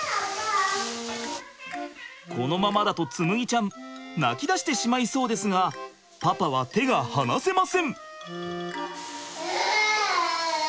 このままだと紬ちゃん泣きだしてしまいそうですがパパは手が離せません！